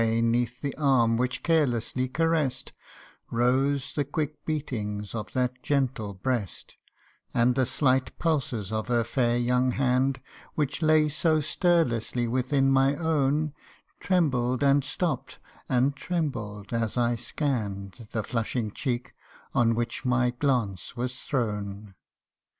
High, 'neath the arm which carelessly caress'd, Rose the quick beatings of that gentle breast ; And the slight pulses of her fair young hand, Which lay so stirlessly within my own, Trembled and stopp'd, and trembled, as I scann'd The flushing cheek on which my glance was thrown.